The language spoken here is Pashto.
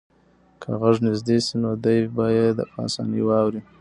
که غږ نږدې شي نو دی به یې په اسانۍ واوري.